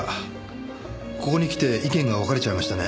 ここにきて意見が分かれちゃいましたね。